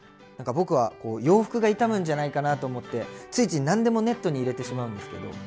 なんか僕は洋服が傷むんじゃないかなと思ってついつい何でもネットに入れてしまうんですけど。